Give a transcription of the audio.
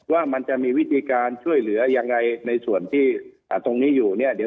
ว่ามันจะมีวิธีการช่วยเหลือยังไงในส่วนที่ตรงนี้อยู่เนี่ยเดี๋ยว